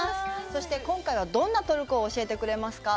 そして今回は、どんなトルコを教えてくれますか？